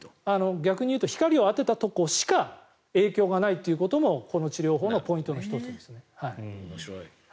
逆に言うと光を当てたところしか影響がないというところもこの治療法のポイントの１つです。